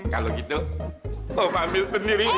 kalau gitu om ambil sendiri aja